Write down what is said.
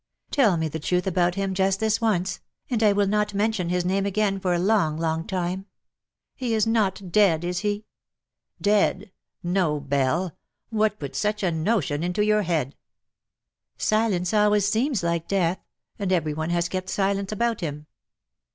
Tell me the truth about him just this once, and I will not mention his name again for a lorg, long time. He is not dead, is he ?"" Dead !— no. Belle. What put such a notion into your head T' '' Silence always seems like death ; and every one has kept silence about him.